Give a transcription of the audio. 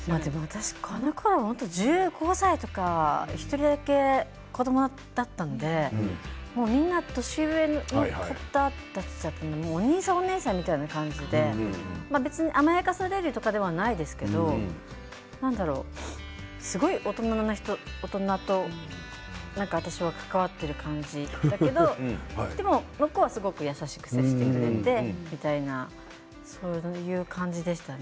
私はこのころ１５歳とか１人だけ子どもだったんでみんな年上の方たちだったのでお兄さんお姉さんみたいな感じで別に甘やかされるとかではないですけど何だろう、すごい大人と私は関わっている感じだけどでも向こうはすごく優しく接してくれてみたいなそういう感じでしたね。